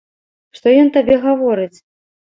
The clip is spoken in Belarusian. Што ён табе гаворыць?